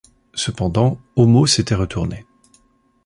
Cependant Homo s’était retourné.